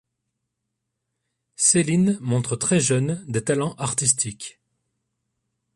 Céline montre très jeune des talents artistiques.